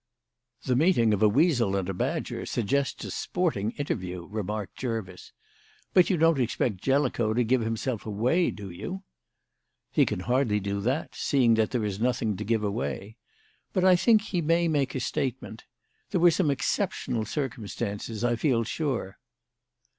"The meeting of a weasel and a badger suggests a sporting interview," remarked Jervis. "But you don't expect Jellicoe to give himself away, do you?" "He can hardly do that, seeing that there is nothing to give away. But I think he may make a statement. There were some exceptional circumstances, I feel sure."